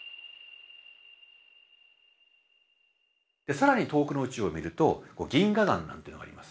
更に遠くの宇宙を見ると銀河団なんていうのがあります。